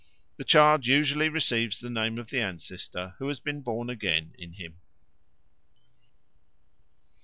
The child usually receives the name of the ancestor who has been born again in him. 4.